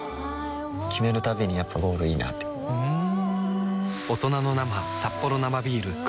決めるたびにやっぱゴールいいなってふん